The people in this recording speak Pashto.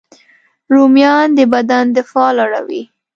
رومیان د بدن دفاع لوړوي